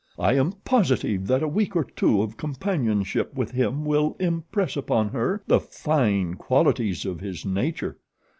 I am positive that a week or two of companionship with him will impress upon her the fine qualities of his nature.